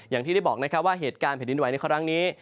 อย่างที่ได้บอกนะครับว่าเหตุการณ์แผ่นดินไหวในครั้งนี้